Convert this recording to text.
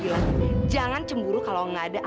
tidak sangka dia sangara sedikit olahraga